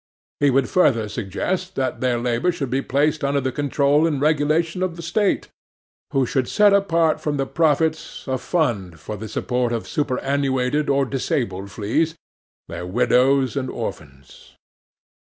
He would further suggest that their labour should be placed under the control and regulation of the state, who should set apart from the profits, a fund for the support of superannuated or disabled fleas, their widows and orphans.